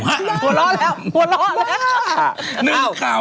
หัวเราะแล้ว